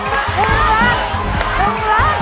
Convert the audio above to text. ๑ล้าน